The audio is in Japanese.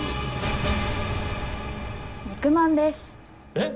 えっ！